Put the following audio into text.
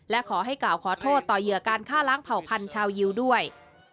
และขอให้กล่าวขอโทษต่อเหยื่อการฆ่าล้างเผ่าพันธุ์ชาวยิวด้วย